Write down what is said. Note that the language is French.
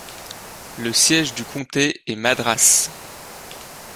Le siège du comté est Madras.